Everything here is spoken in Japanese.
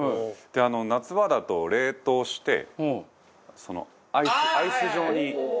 夏場だと、冷凍してアイス状に。